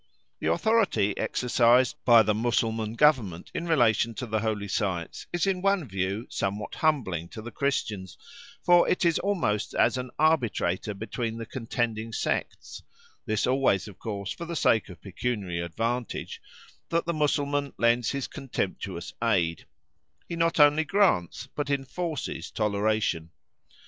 The authority exercised by the Mussulman Government in relation to the holy sites is in one view somewhat humbling to the Christians, for it is almost as an arbitrator between the contending sects (this always, of course, for the sake of pecuniary advantage) that the Mussulman lends his contemptuous aid; he not only grants, but enforces toleration.